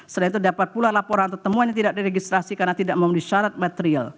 selain itu dapat pula laporan atau temuan yang tidak diregistrasi karena tidak memenuhi syarat material